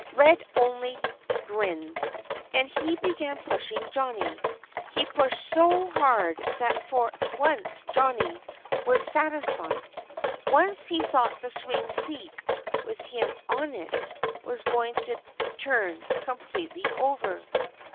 Red only grinned. And he began pushing Johnnie. He pushed so hard that for once Johnnie was satisfied. Once he thought the swing seat with him on it was going to turn completely over.